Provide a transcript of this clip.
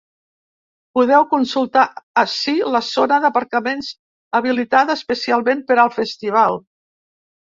Podeu consultar ací la zona d’aparcaments habilitada especialment per al festival.